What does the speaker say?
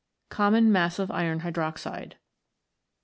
Common massive iron hydroxide.